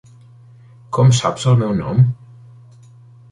Com saps el meu nom?